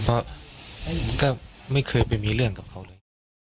เพราะก็ไม่เคยไปมีเรื่องกับเขาเลย